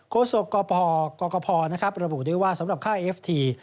โศกกพระบุด้วยว่าสำหรับค่าเอฟที